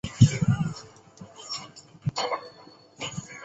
后因叛军袭击而战死。